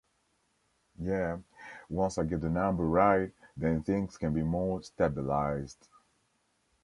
Yeah, once I get the number right, then things can be more stabilised'.